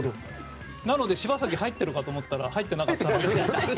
なので、柴崎が入っているかと思ったら入っていないんですよ。